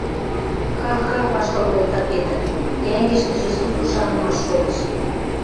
— Ха-ха! — ваштыл колта Петр, йӓнгӹштӹжӹ сусу шанымаш шолеш.